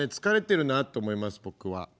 疲れてるなと思います僕は。